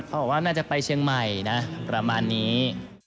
บอกว่าน่าจะไปเชียงใหม่นะประมาณนี้